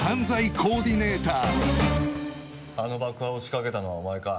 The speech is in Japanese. あの爆破を仕掛けたのはお前か？